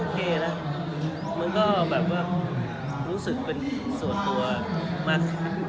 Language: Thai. โอเคนะมันก็แบบว่ารู้สึกเป็นส่วนตัวมาก